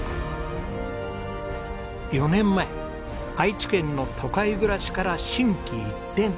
４年前愛知県の都会暮らしから心機一転。